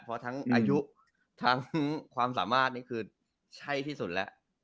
เพราะทั้งอายุทั้งความสามารถนี่คือใช่ที่สุดแล้ว